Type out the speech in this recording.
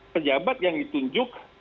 kejabat yang ditunjuk